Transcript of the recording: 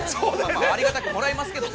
ありがたくもらいますけどね。